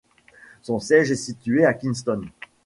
Son siège est situé à Kingston.